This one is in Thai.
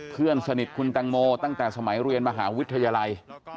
เพื่อนสนิทคุณแตงโมตั้งแต่สมัยเรียนมหาวิทยาลัย